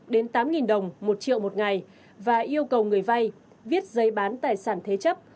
đến tám đồng một triệu một ngày và yêu cầu người vay viết giấy bán tài sản thế chấp